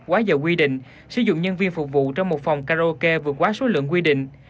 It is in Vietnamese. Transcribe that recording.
quá giờ quy định sử dụng nhân viên phục vụ trong một phòng karaoke vượt quá số lượng quy định